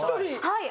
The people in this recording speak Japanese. はい。